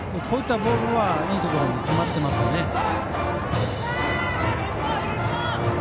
こういったボールはいいところに決まってますね。